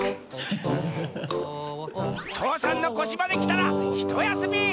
父山のこしまできたらひとやすみ！